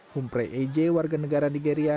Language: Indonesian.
humpre eje warga negara nigeria